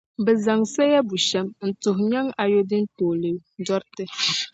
bɛ zaŋ sɔya balibu bushɛm n-tuhi nyaŋ ayodin pooli dɔriti.